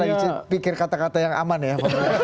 lagi pikir kata kata yang aman ya